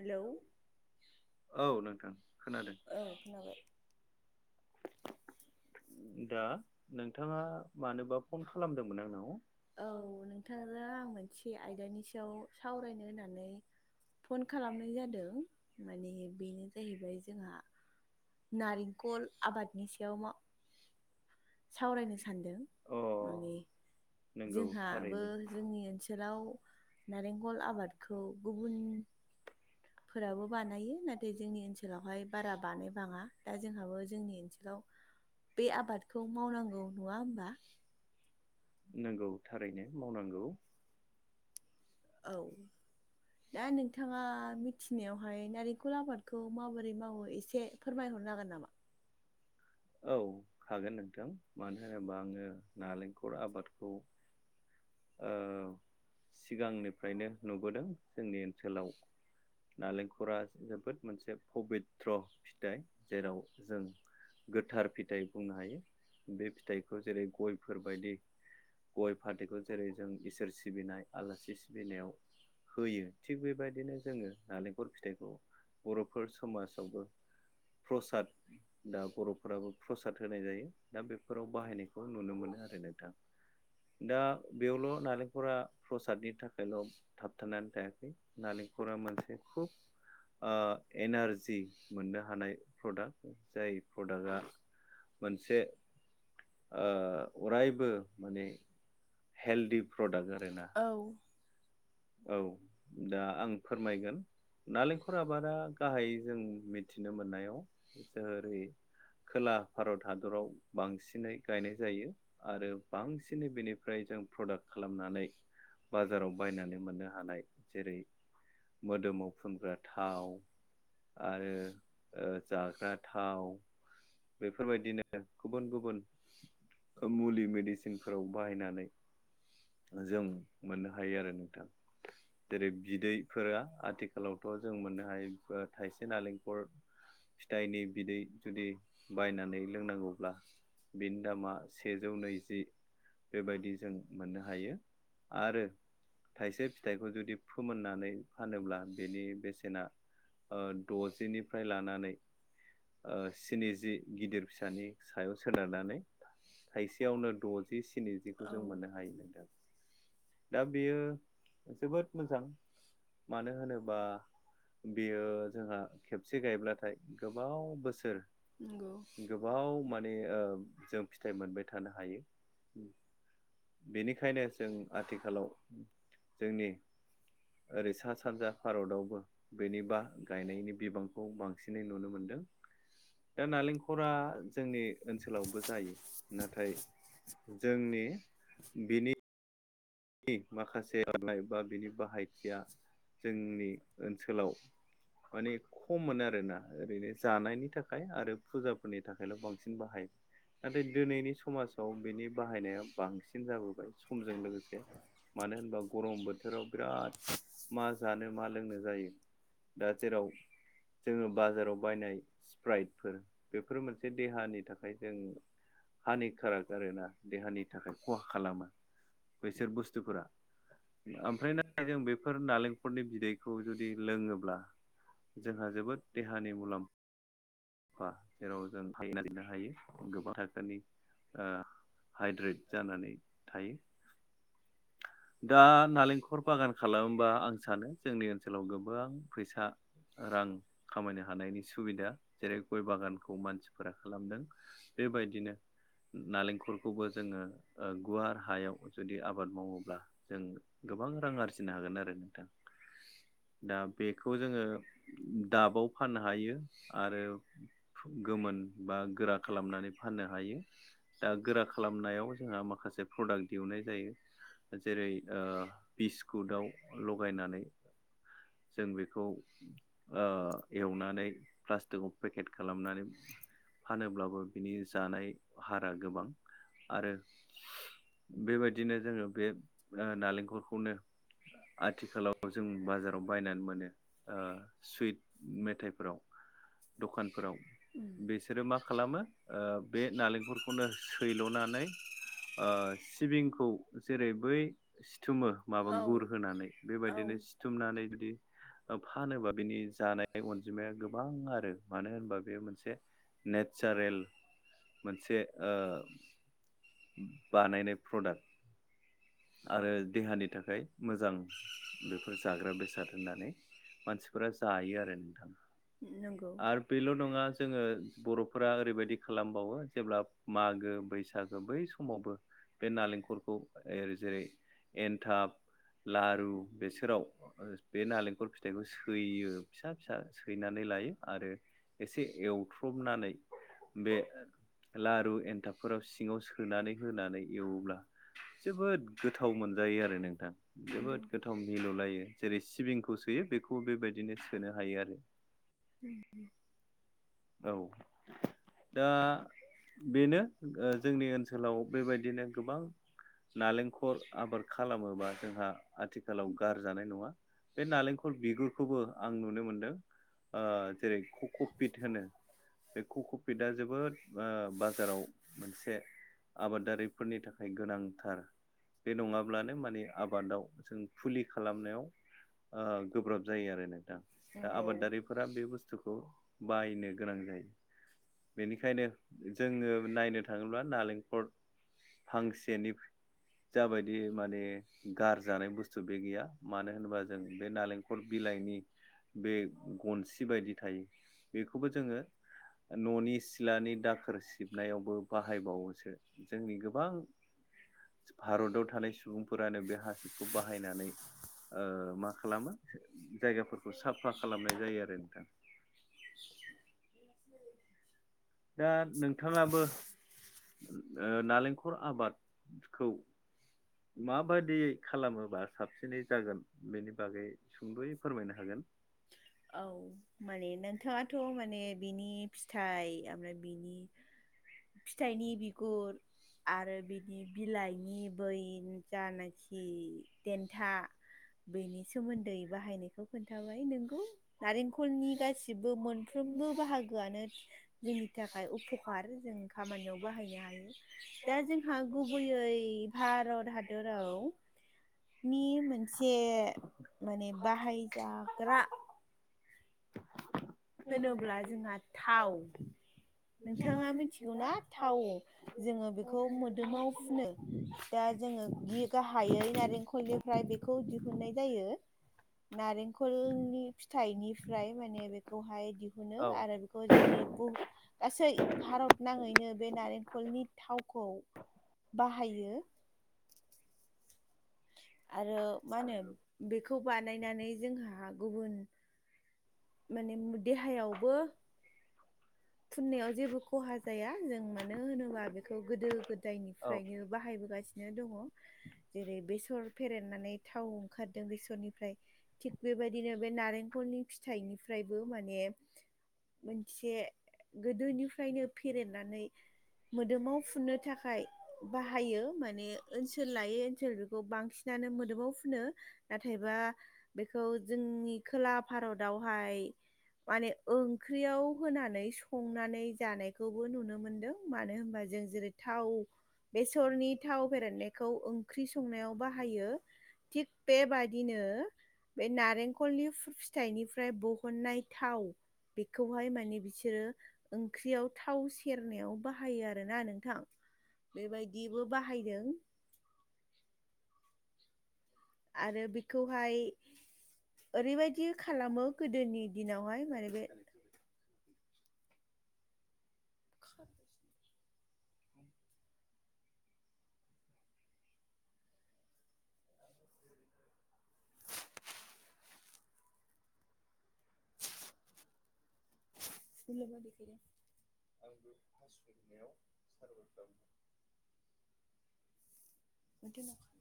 Hello औ नोंथां खोनादों। औ खोनाबाय दा नोंथाङा मानोबा फन खालामदोंमोन आंनाव नोंथांनो आं मोनसे आयदानि सायाव सावरायनो होननानै फन खालामनाय जादों माने बेनो जाहैबाय जोंहा नारिखल आबादनि सायाव मा सावरायनो सानदों अ माने नंगौ जोंहाबो थारैनो जोंनि ओनसोल बोथोराव नारेंखल आबादखौ गुबुन फोराबो बानायो नाथाय जोंनि ओनसोलावहाय बारा बानाय दा जोंहाबो जोंनि ओनसोलाव बे आबादखौ मावनांगौ नङा होमबा। नोंगौ थारैनो मावनांगौ। औ। दा नोंथांङा मिथिनायावहाय नारिखल आबादखौ माबोरै मावो एसे फोरमायहरनो हागोन नामा? औ हागोन नोंथां मानो होनोबा आङो नालेंखल आबादखौ ओ सिगांनिफ्रायनो नुबोदों जोंनि ओनसोलाव नालेंखरा जोबोद मोनसे पबित्र फिथाइ जेराव जों गोथार फिथाइ बुंनो हायो बे फिथाइखौ जेरै गयफोरबायायदि गय फाथैखौ जेरै जों इसोर सिबिनाय आलासि बेलायाव होयो थिग बेबायदिनो जोङो नालेंखल फिथाइखौ बर'फोर समाजावबो प्रसाद दा बर'फोराबो प्रसाद होनाय जायो दा बेफोराव बाहायनायखौ नुनो मोनो आरो नोंथां दा बेयावल' नालेंखरा प्रसादनि थाखाय ल थाबथानानै थायाखै नालेंखरा मोनसे खुब ओ एनारजि मोननो हानाय प्रडाक्ट जाय प्रडाक्टआ मोनसे ओ अरायबो माने हेल्दि प्रडाक्ट आरोना औ औ दा आं फोरमायगोन नालेंखर आबादा गाहायै जों मिथिनो मोननायाव जोरै खोला भारत हादराव बांसिनै गायनाय जायो आरो बांसिनै बेनिफ्राय जों प्रडाक्ट खालामनानै बाजाराव बायनानै मोननो जेरै मोदोमाव फुनग्रा थाव आरो ओ जाग्रा थाव बेफोरबायदिनो गुबुन गुबुन मुलि मेडिसिनफोराव बाहायनानै जों मोननो हायो आरो नोंथां जेरै बिदैफोरा आथिखालावथ' जों मोननो हायो थाइसे नालेंखर फिथाइनि बिदै जुदि बायनानै लोंनांगौब्ला बिनि दामा सेजौ नैजि बेबायदि जों मोननो हायो आरो थाइसे फिथाइखौ जुदि फोमोननानै फानोब्ला बेनि बेसेना द'जिनिफ्राय लानानै स्निजि गिदिर फिसानि सायाव सोदारनानै थाइसेयावनो द'जि स्निजिखौ औ जों मोननो हायोमोनदा दा बेयो जोबोद मोजां मानो होनोबा बियो जोंहा खेबसे गायब्लाथाय गोबाव बोसोर नंगौ गोबाव माने जों फिथाइ मोनबाय थानो हायो बेनिखायनो जों आथिखालाव जोंनि ओरै सा सानजा भारतआवबो बेनिबा गायनायनि बिबांखौ बांसिनै नुनो मोनदों दा नालेंखरा जोंनि ओनसोलावबो जायो नाथाय जोंनि बिनि बि माखासे [unintelligible] बा बिनि बाहायथिया जोंनि ओनसोलाव माने खम मोनो आरोना ओरैनो जानायनि थाखाय आरो फुजाफोरनि थाखायल' बांसिन बाहायो नाथाय दिनैनि समाजाव बेनि बाहायनाया बांसिन जाबोबाय समजों लोगोसे मानो होनबा गरम बोथोराव बिराद मा जानो मा लोंनो जायो दा जेराव जोङो बाजाराव बायनाय स्प्राइटफोर बेफोर मोनसे एसे देहानि थाखाय जों हानि खाराग आरोना देहानि थाखाय खहा खालामो बेसोर बुस्थुफोरा ओमफ्राय ना जों बेफोर नालेंख रनि बिदैखौ जुदि लोङोब्ला जोंहा जोबोद देहानि मुलाम्फा जेराव [unintelligible] हायो गोबां थाखोनि हाइद्रेट जानानै थायो [inaudible] दा नालेंखर बागान खालामोबा आं सानो जोंनि ओनसोलाव गोबां फैसा रां खामायनो हानायनि सुबिदा जेरै गय बागानखौ मानसिफोरा खालामदों बेबायदिनो नालेंखलखौबो जोङो गुवार हायाव जुदि आबाद मावोब्ला जों गोबां रां आरजिनो हागोन आरो नोंथां दा बेखौ जोङो दाबाव फाननो हायो आरो गोमोन बा गोरा खालामनानै फाननो हायो दा गोरा खालामनायाव जोंहा माखासे प्रडाक्ट दिहुननाय जायो जेरै ओ बिस्कुटाव लगायनानै जों बेखौ ओ एवनानै प्लास्टिकयाव पेकेट खालामनानै फानोब्लाबो बिनि जानाय हारा गोबां आरो बेबायदिनो जोङो बे नालेंखलखौनो आथिखालाव जों बाजाराव बायनानै मोनो सुइट मेथाइफोराव दखानफोराव उम बेसोरो मा खालामो बे नालेंखरखौनो सैल'नानै ओ सिबिंखौ जेरै बै सिथुमो माबा औ गुर होनानै औ बेबायदिनो सिथुमनानै जुदि फानोबा बिनि जानाय अनजिमाया गोबां आरो मानो होनबा बे मोनसे नेचारेल मोनसे ओ बानायनाय प्रडाक्ट आरो देहानि थाखाय मोजां बेफोर जाग्रा बेसाद होननानै मानसिफोरा जायो आरो नोंथाङा नांगौ आरो बेल' नङा जोङो बर'फोरा ओरैबायदि खालामबावो जेब्ला मागो बैसागो बै सम समावबो बे नालेंखलखौ जेरै एनथाब लारु बेसोराव बे नालेंखल फिथाइखौ सैयो फिसा फिसा सैनानै आरो एसे एवथ्रबनानै बे लारु एन्थाबफोराव सिङाव सोनानै होनानै एवोब्ला जोबोद गोथाव मोनजायो आरो नोंथां नंगौ जोबोद गो गोथाम मिल' लायो जेरै सिबिंखौ सोयो बेखौ बेबायदिनो सोनो हायो आरो ओम ओम औ दा बेनो जोंनि ओनसोलाव बेबायदिनो गोबां नालेंखल आबाद खालामोबा जोंहा आथिखालाव गारजानाय नङा बे नालेंखल बिगुरखौबो आं नुनो मोनदों ओ जेरै कक'पिट होनो बे कक'पिटा जोबोद ओ बाजाराव मोनसे आबादारिफोरनि थाखाय गोनांथार बे नङाब्लानो माने आबादाव जों फुलि खालामनायाव ओगोब्राब जायो आरो नोंथां दा नंगौ आबादारि फोरा बे बुसथुखौ बाहायनो गोनां जायो बेनिखायनो जोङो नायनो थाङोब्ला नालेंखल फांसेनि जाबायदि माने गारजानाय बुसथु बे गैया मानो होनोबा जों बे नालेंख खर बिलाइनि बे गनसि बायदि थायो बेखौबो जों जोङो ननि सिथलानि दाखोर सिबनायावबो बाहायबावोसो जोंनि गोबां भारताव थानाय सुबुंफोरानो बे हासिबखौ बाहायनानै ओ मा खालामो जायगाफोरखौ साफा खालामनाय जायो आरो नोंथां [unintelligible] दा नोंथाङाबो ओ नालेंखल आबादखौ माबायदियै खालामोबा साबसिनै जागोन बेनि बागै सुंद'यै फोरमायनो हागोन औ माने नो बिथथाङाथ' माने बिनि फिथाइ ओमफ्राय बिनि फिथाइनि बिगुर आरो बिदि बिलाइनि बै जानाखि देन्था। बेनि सोमोन्दै बाहायनायखौ खोन्थाबाय। नोंगौ नारेंखलनि गासिबो मोनफ्रोमबो बाहागोआनो जोंनि थाखाय उपखार जों खामानियाव बाहायनो हायो दा जोंहा गुबैयै भारत हादराव नि [unintelligible] जाग्रा होनोब्ला जोंहा थाव नोंथाङा मिथिगौ ना थाव जोङो बेखौ मोदोमाव फुनो। दा जोङो गि गाहायै नारेंखलनिफ्राय बेखौ दिहुननाय जायो। नारेंखलनि फिथाइनिफ्राय माने बेखौहाय दिहुनो औ आरो बो जोंनि बुहु गासै भारत नाङैनो बे नारेंखलनि थावखौ बाहायो। आरो मा होनो बेखौ बानायनानै जोंहा गुबुन माने देहायावबो फुननायाव जेबो खहा जाया जों मानो होनोबा बेखौ गोदो औ गोदायनिफ्रायनो बाहायबोगासिनो दङ। जेरै बेसर फेरनानै थाव ओंखारदों बेसरनिफ्राय थिग बेबायदिनो बे नारेंखलनि फिथाइनिफ्रायबो माने मोनसे गोदोनिफ्रायनो फेरनानै मोदोमाव फुननो थाखाय बाहायो माने ओनसोल लायै ओनसोल बेखौ बांसिनानो मोदोमाव फुनो। नाथायबा बेखौ जोंनि खोला भारतावहाय माने ओंख्रियाव होनानै स संनानै जानायखौबो नुनो मोनदों मानो होनबा जों जेरै थाव बेसरनि थाव बेरनायखौ ओंख्रि संनायाव बाहायो। थिग बेबादिनो बे नारेंखलनि फिथाइनिफ्राय बहननाय थाव बेखौहाय माने बिसोरो ओंख्रियाव थाव सेरनायाव बाहायो आरोना नोंथां। बेबायदिबो बाहायदों। आरो बेखौहाय ओरैबायदि खालामो गोदोनि दिनावहाय माने बे [inaudible] [inaudible] [inaudible]